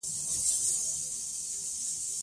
ازادي راډیو د عدالت لپاره د خلکو غوښتنې وړاندې کړي.